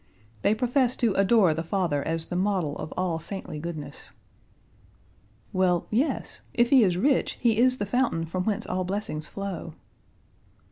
They profess to adore the father as the model of all saintly goodness." "Well, yes; if he is rich he is the fountain from whence all blessings flow."